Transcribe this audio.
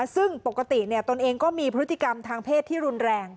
ซึ่งปกติตนเองก็มีพฤติกรรมทางเพศที่รุนแรง